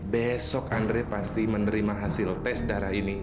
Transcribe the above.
besok andre pasti menerima hasil tes darah ini